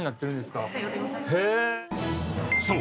［そう。